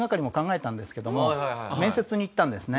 面接に行ったんですね。